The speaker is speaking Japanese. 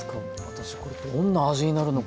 私これどんな味になるのか